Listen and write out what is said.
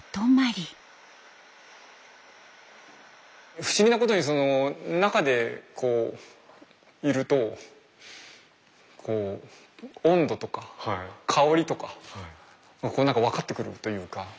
不思議なことにその中でこういると温度とか香りとか何か分かってくるというか。